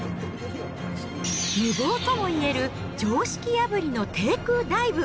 無謀ともいえる常識破りの低空ダイブ。